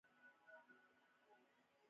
د مقعد د خارښ لپاره باید څه شی وکاروم؟